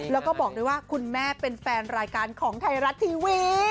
แล้วก็บอกด้วยว่าคุณแม่เป็นแฟนรายการของไทยรัฐทีวี